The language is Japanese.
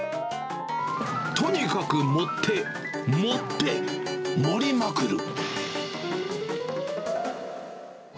とにかく盛って、盛って、盛りまくる。